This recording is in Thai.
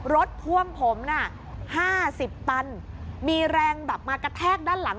รถพ่วงผม๕๐ตันมีแรงมากระแทกด้านหลัง